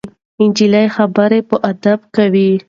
نجلۍ خبرې په ادب کوي.